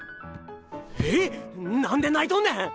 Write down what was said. えっなんで泣いとんねん！